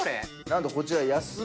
なんとこちら。